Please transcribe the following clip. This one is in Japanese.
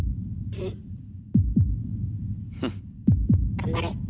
頑張れ。